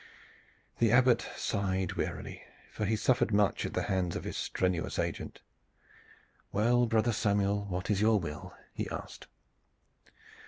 The Abbot sighed wearily, for he suffered much at the hands of his strenuous agent. "Well, Brother Samuel, what is your will?" he asked.